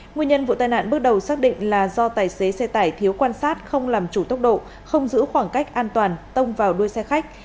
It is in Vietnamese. nguyên nhân vụ tai nạn bước đầu xác định là do tài xế xe tải thiếu quan sát không làm chủ tốc độ không giữ khoảng cách an toàn tông vào đuôi xe khách